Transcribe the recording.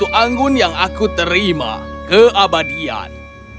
aku akan menanggung yang aku terima keabadian